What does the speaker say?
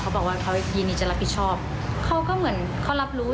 บอกว่าเขายินดีจะรับผิดชอบเขาก็เหมือนเขารับรู้